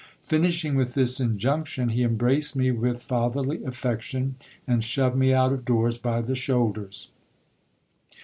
Finishing with this injunction, he em braced me with fatherly affection, and shoved me out of doors by the shoulders.